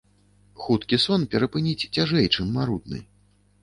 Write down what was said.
Хуткі сон перапыніць цяжэй, чым марудны.